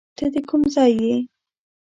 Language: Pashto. ته د کوم ځای یې؟